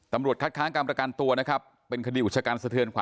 ตำรวจคัดค้างกรรมประการตัวนะครับเป็นคดีอุทธกรรมสะเทือนขวัญ